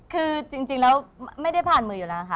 คือจริงแล้วไม่ได้ผ่านมืออยู่แล้วค่ะ